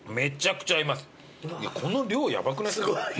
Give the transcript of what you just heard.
この量ヤバくないですか？